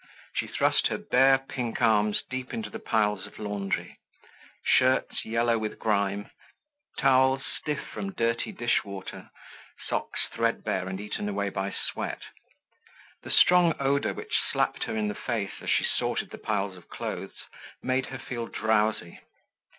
She thrust her bare pink arms deep into the piles of laundry: shirts yellow with grime, towels stiff from dirty dish water, socks threadbare and eaten away by sweat. The strong odor which slapped her in the face as she sorted the piles of clothes made her feel drowsy.